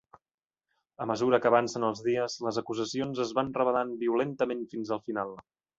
A mesura que avancen els dies les acusacions es van revelant violentament fins al final.